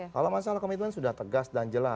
kalau masalah komitmen sudah tegas dan jelas